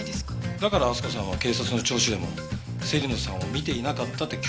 だから明日香さんは警察の聴取でも芹野さんを見ていなかったって供述したんだよ。